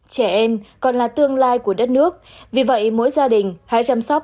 trẻ em còn là tương lai của đất nước vì vậy mỗi gia đình hãy chăm sóc